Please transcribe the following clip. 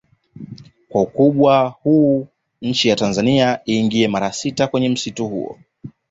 Kwa ukubwa huu nchi ya Tanzania iingie mara sita kwenye msitu huo